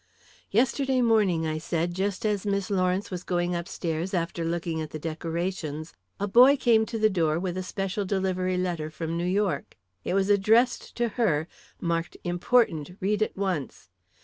"Yesterday morning," I said, "just as Miss Lawrence was going upstairs after looking at the decorations, a boy came to the door with a special delivery letter from New York. It was addressed to her marked 'Important, read at once.'